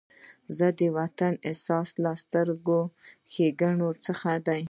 د وطن احساس له سترو ښېګڼو څخه دی.